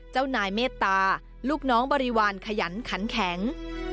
เจ้านายเมตตาลูกน้องบริวารขยันขันแข็ง